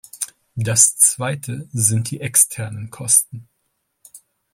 Das Zweite sind die externen Kosten.